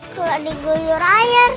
kalau digoyur air